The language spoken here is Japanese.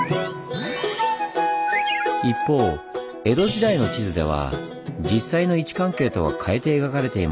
一方江戸時代の地図では実際の位置関係とは変えて描かれています。